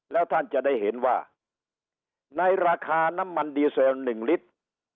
แล้วท่านจะได้เห็นว่าในราคาน้ำมันดีเซล๑ลิตร